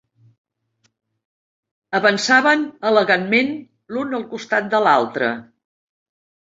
Avançaven elegantment l'un al costat de l'altre.